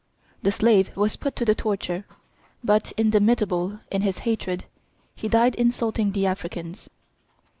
The slave was put to the torture; but, indomitable in his hatred, he died insulting the Africans.